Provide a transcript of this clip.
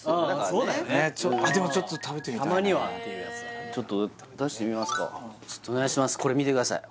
そうだよねでもちょっと食べてみたいたまにはっていうやつだちょっと出してみますかお願いします